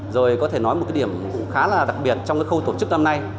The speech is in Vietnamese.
rồi có thể nói một cái điểm cũng khá là đặc biệt trong cái khâu tổ chức năm nay